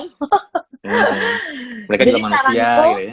mereka juga manusia gitu ya